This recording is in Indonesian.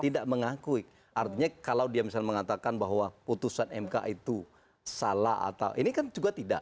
tidak mengakui artinya kalau dia misalnya mengatakan bahwa putusan mk itu salah atau ini kan juga tidak